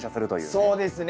そうですね。